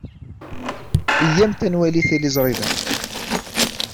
Iyyamt ad nwali tiliẓri da.